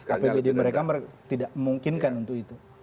apbd mereka tidak memungkinkan untuk itu